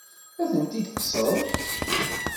Ad tent-id-tekkseḍ?